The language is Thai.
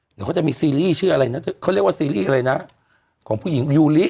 เดี๋ยวเขาจะมีซีรีส์ชื่ออะไรนะเขาเรียกว่าซีรีส์อะไรนะของผู้หญิงยูริ